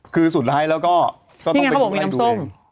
คือสุดท้ายแล้วต้องไปดูมันเอง